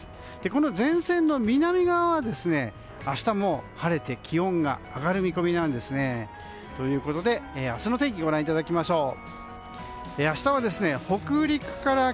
この前線の南側は明日も晴れて気温が上がる見込みなんですね。ということで、明日の天気ご覧いただきましょう。